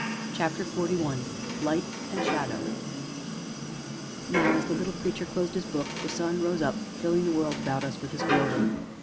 CHAPTER XLI LIGHT AND SHADOW Now, as the little Preacher closed his book, the sun rose up, filling the world about us with his glory.